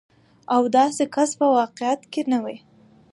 او داسې کس په واقعيت کې نه وي.